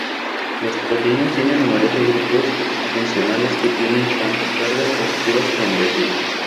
Las proteínas tienen numerosos grupos funcionales que tienen tanto cargas positivas como negativas.